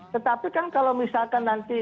tetapi kan kalau misalkan nanti